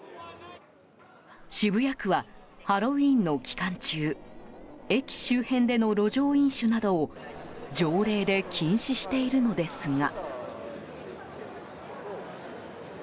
渋谷区は、ハロウィーンの期間中駅周辺での路上飲酒などを条例で禁止しているのですが。